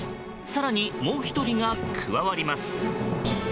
更にもう１人が加わります。